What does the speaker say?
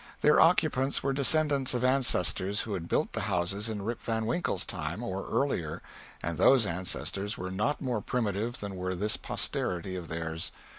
Their occupants were descendants of ancestors who had built the houses in Rip Van Winkle's time, or earlier; and those ancestors were not more primitive than were this posterity of theirs.